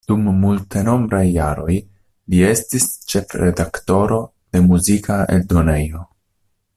Dum multenombraj jaroj, li estis ĉefredaktoro de muzika eldonejo.